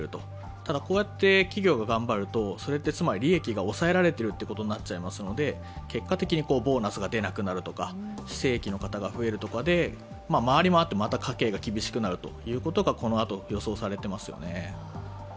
ただ、こうやって企業が頑張ると、利益が抑えられていることになりますので、結果的にボーナスが出なくなるとか、非正規の方が増えるとかで回り回ってまた家計が苦しくなるということがこのあと予想されています。